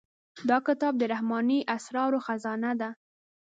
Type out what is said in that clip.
دا کتاب د رحماني اسرارو خزانه ده.